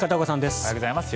おはようございます。